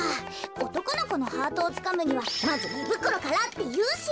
おとこのこのハートをつかむにはまずいぶくろからっていうし。